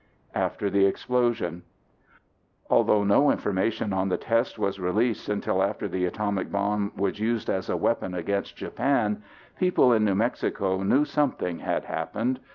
After the explosion Although no information on the test was released until after the atomic bomb was used as a weapon against Japan, people in New Mexico knew something had happened.